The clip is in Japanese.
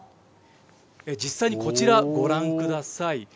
実際にこちらご覧ください。